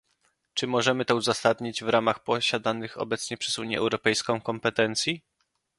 Czy możemy to uzasadnić w ramach posiadanych obecnie przez Unię Europejską kompetencji?